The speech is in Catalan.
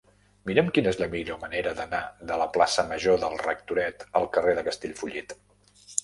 Mira'm quina és la millor manera d'anar de la plaça Major del Rectoret al carrer de Castellfollit.